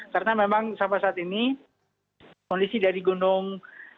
karena memang sampai saat ini kondisi dari gunung